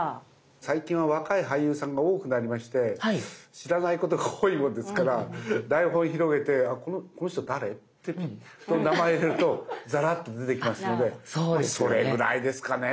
最近は若い俳優さんが多くなりまして知らないことが多いもんですから台本を広げてこの人誰？って名前を入れるとザラっと出てきますのでそれぐらいですかね